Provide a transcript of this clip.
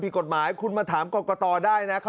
อันนี้จะต้องจับเบอร์เพื่อที่จะแข่งกันแล้วคุณละครับ